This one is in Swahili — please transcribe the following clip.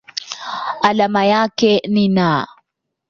Alama yake ni Na.